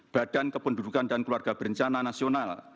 badan kependudukan dan keluarga berencana nasional